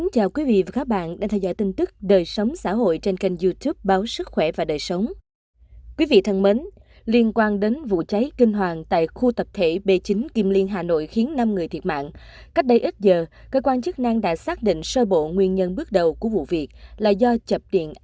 các bạn hãy đăng ký kênh để ủng hộ kênh của chúng mình nhé